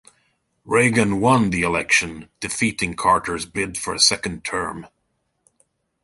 Reagan won the election, defeating Carter's bid for a second term.